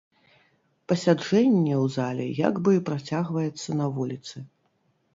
Пасяджэнне ў зале як бы працягваецца на вуліцы.